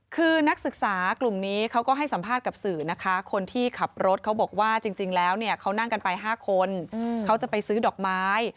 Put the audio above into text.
คือนักศึกษากลุ่มนี้เขาก็ให้สัมภาษณ์กับสื่อนะคะคนที่ขับรถเขาบอกว่าจริงแล้วเนี่ยเขานั่งกันไป๕คนเขาจะไปซื้อดอกไม้